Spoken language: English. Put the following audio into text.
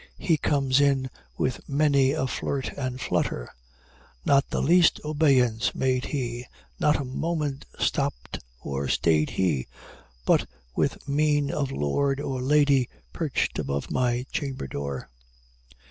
He comes in "with many a flirt and flutter." "Not the least obeisance made he not a moment stopped or stayed he, But with mien of lord or lady, perched above my chamber door."